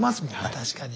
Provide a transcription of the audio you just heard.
確かに。